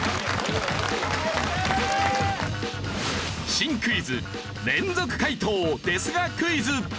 新クイズ連続解答！ですがクイズ。